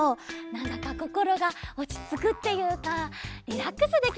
なんだかこころがおちつくっていうかリラックスできるんだよね。